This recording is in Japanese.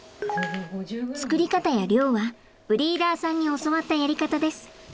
作り方や量はブリーダーさんに教わったやり方です。